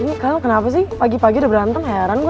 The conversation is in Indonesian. ini kan kenapa sih pagi pagi udah berantem hairan gue